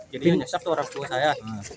jadi yang nyesep tuh orang tua saya